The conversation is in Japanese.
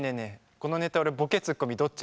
このネタ俺ボケツッコミどっち？